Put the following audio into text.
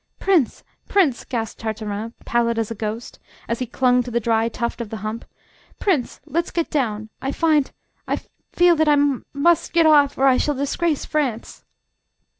"Prince! prince!" gasped Tartarin pallid as a ghost, as he clung to the dry tuft of the hump, "prince, let's get down. I find I feel that I m m must get off; or I shall disgrace France."